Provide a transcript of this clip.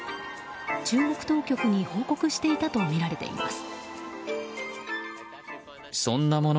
中国当局に報告していたとみられています。